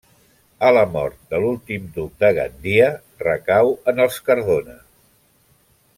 A la mort de l'últim duc de Gandia recau en els Cardona.